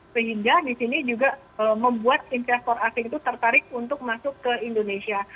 sehingga di sini juga membuat investor asing itu tertarik untuk masuk ke indonesia